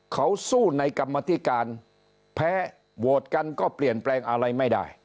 เขาสู้ในกรรมธิการแพ้โหวตกันก็เปลี่ยนแปลงอะไรไม่ได้